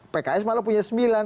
pks malah punya sembilan